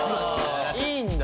いいんだ。